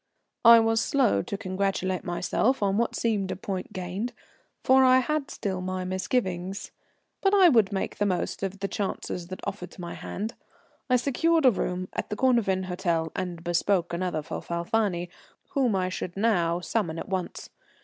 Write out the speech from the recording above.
I was slow to congratulate myself on what seemed a point gained, for I had still my misgivings, but I would make the most of the chances that offered to my hand. I secured a room at the Cornavin Hôtel, and bespoke another for Falfani, whom I should now summon at once.